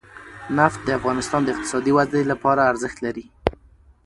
نفت د افغانستان د اقتصادي ودې لپاره ارزښت لري.